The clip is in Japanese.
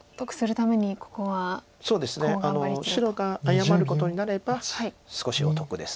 白が謝ることになれば少しお得です。